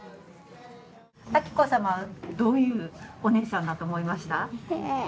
彬子さまはどういうお姉さんだと思いました？